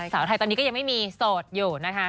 สาวไทยตอนนี้ก็ยังไม่มีโสดอยู่นะคะ